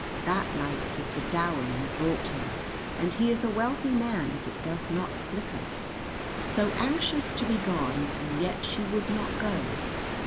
That light is the dower you brought him, and he is a wealthy man if it does not flicker. So anxious to be gone, and yet she would not go.